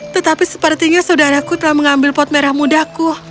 tetapi sepertinya saudaraku telah mengambil pot merah mudaku